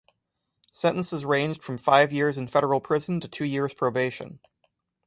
Sentences ranged from five years in federal prison to two years' probation.